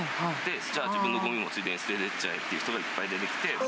じゃあ、自分のごみもついでに捨ててっちゃえという人がいっぱい出てきて。